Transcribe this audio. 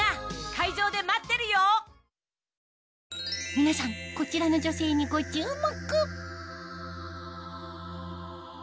皆さんこちらの女性にご注目！